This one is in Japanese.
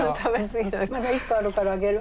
まだ１個あるからあげる。